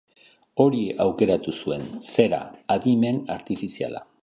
Hori aukeratu zuen, zera, adimen artifiziala.